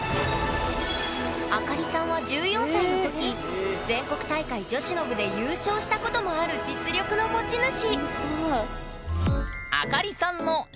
あかりさんは１４歳の時全国大会女子の部で優勝したこともある実力の持ち主！